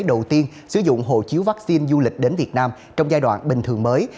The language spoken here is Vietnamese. đầu tiên sử dụng hộ chiếu vaccine du lịch đến việt nam trong giai đoạn bình thường mới